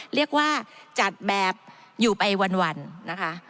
เรียกว่าจัดแบบอยู่ไปวันนะคะ